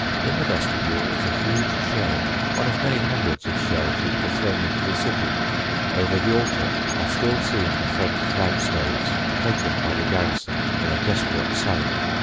In the vestibule is a huge shell, one of many hundreds of shells which were thrown into the city. Over the altar are still seen the French flagstaves, taken by the garrison in a desperate sally.